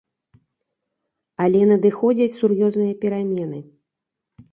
Але надыходзяць сур'ёзныя перамены.